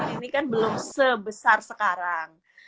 ini kan belum sebesar sekarang